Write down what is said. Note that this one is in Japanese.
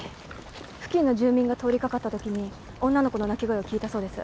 付近の住民が通りかかった時に女の子の泣き声を聞いたそうです。